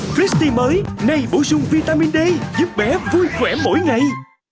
frisbee mới nay bổ sung vitamin d giúp bé vui khỏe mỗi ngày